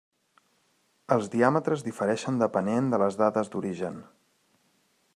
Els diàmetres difereixen depenent de les dades d'origen.